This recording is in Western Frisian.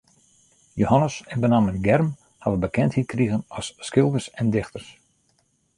Jehannes en benammen Germ hawwe bekendheid krigen as skilders en dichters.